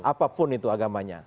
apapun itu agamanya